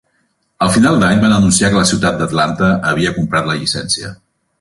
A final d'any van anunciar que la ciutat d'Atlanta havia comprat la llicència.